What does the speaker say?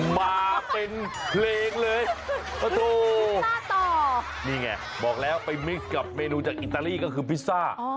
มาเป็นเพลงเลยปะโถมาต่อนี่ไงบอกแล้วไปมิกกับเมนูจากอิตาลีก็คือพิซซ่า